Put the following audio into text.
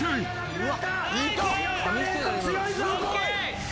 うわ！？